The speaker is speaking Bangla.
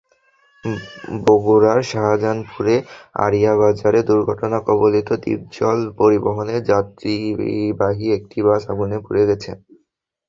বগুড়ার শাজাহানপুরে আড়িয়া বাজারে দুর্ঘটনাকবলিত ডিপজল পরিবহনের যাত্রীবাহী একটি বাস আগুনে পুড়ে গেছে।